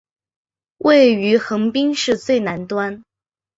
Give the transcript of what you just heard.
位于横滨市最南端。